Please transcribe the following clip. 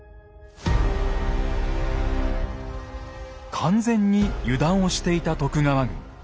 完全に油断をしていた徳川軍。